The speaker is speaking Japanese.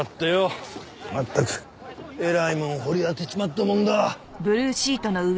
まったくえらいもん掘り当てちまったもんだ。